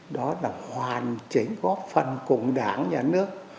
đó là hoàn chỉnh góp phần cùng đảng nhà nước